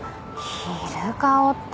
「昼顔」って。